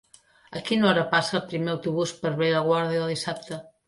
A quina hora passa el primer autobús per Bellaguarda dissabte?